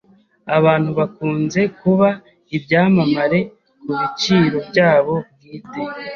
Abantu bakunze kuba ibyamamare kubiciro byabo bwite.